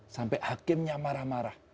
sampai hakimnya marah marah